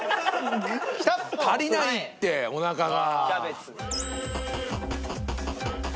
足りないってお腹が。